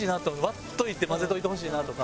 割っておいて混ぜておいてほしいなとか。